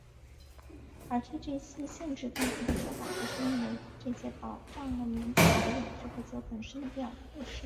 而替这些限制辩护的说法则认为这是为了保障民主的永续或是自由本身的必要措施。